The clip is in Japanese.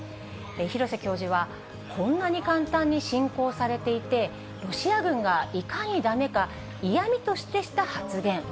廣瀬教授は、こんなに簡単に進行されていて、ロシア軍がいかにだめか、嫌みとしてした発言。